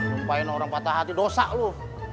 lumpain orang patah hati dosa lo